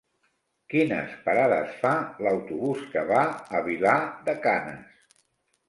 Quines parades fa l'autobús que va a Vilar de Canes?